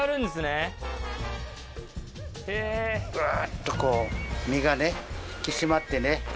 グっとこう身がね引き締まってね。